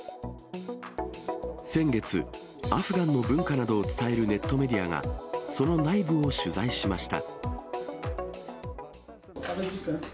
先月、アフガンの文化などを伝えるネットメディアが、その内部を取材しました。